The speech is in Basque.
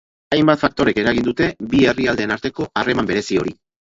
Hainbat faktorek eragin dute bi herrialdeen arteko harreman berezi hori.